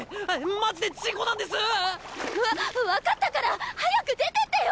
マジで事故なんです！わ分かったから早く出てってよ！